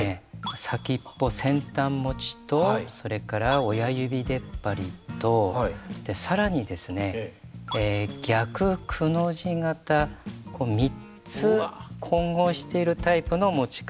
先っぽ先端持ちとそれから親指でっぱりと更にですね逆くの字型３つ混合しているタイプの持ち方。